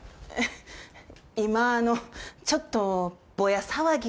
今あのちょっとぼや騒ぎが。